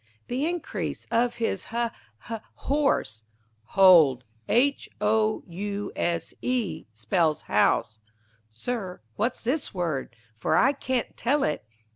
The increase of his h h horse Hold: H,O,U,S,E, spells house. _Sir, what's this word? for I can't tell it.